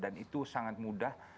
dan itu sangat mudah